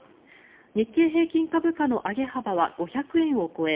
日経平均株価の上げ幅は５００円を超え